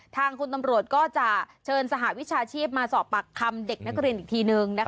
ทางคุณตำรวจก็จะเชิญสหวิชาชีพมาสอบปากคำเด็กนักเรียนอีกทีนึง